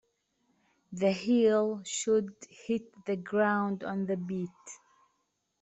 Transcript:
The heel should hit the ground on the beat.